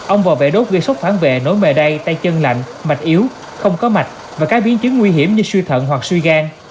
ông vò vẻ đốt gây sốc phản vệ nối mề đai tay chân lạnh mạch yếu không có mạch và các biến chứng nguy hiểm như suy thận hoặc suy gan